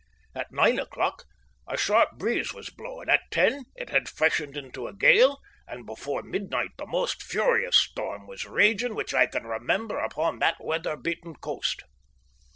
At nine o'clock a sharp breeze was blowing, at ten it had freshened into a gale, and before midnight the most furious storm was raging which I can remember upon that weather beaten coast.